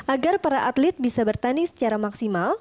agar para atlet bisa bertanding secara maksimal